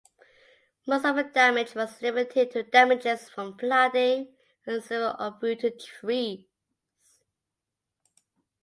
Most of the damage was limited to damages from flooding and several uprooted trees.